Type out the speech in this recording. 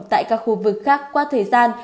tại các khu vực khác qua thời gian